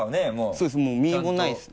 そうですもう身もないです。